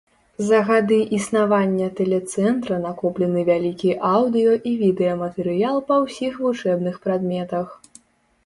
За гады існавання тэлецэнтра накоплены вялікі аўдыё і відэаматэрыял па ўсіх вучэбных прадметах.